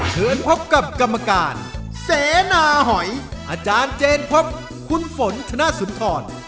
เชิญพบกับกรรมการเสนาหอยอาจารย์เจนพบคุณฝนธนสุนทร